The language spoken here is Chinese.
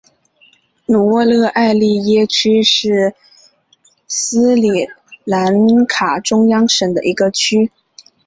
努沃勒埃利耶区是斯里兰卡中央省的一个区。